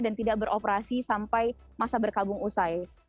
tidak beroperasi sampai masa berkabung usai